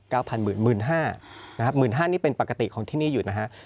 พันหมื่นหมื่นห้านะครับหมื่นห้านี่เป็นปกติของที่นี่อยู่นะฮะ